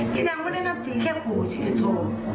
พี่นางไม่ได้นับถือแค่ปู่ศรีโท